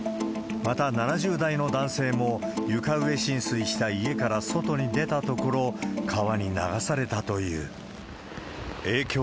また、７０代の男性も、床上浸水した家から外に出たところ、川に流されたという。